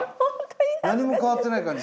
何も変わってない感じ？